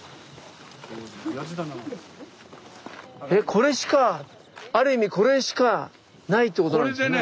これしかある意味これしかないってことなんですね？